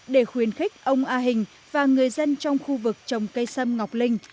để khuyến khích ông a hình và người dân trong khu vực trồng cây sâm ngọc linh